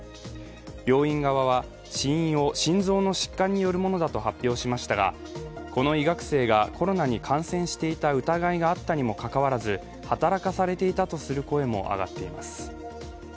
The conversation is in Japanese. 病院側は死因を心臓の疾患によるものだと発表しましたがこの医学生がコロナに感染していた疑いがあったにもかかわらず働かされていたとする声も上がっています。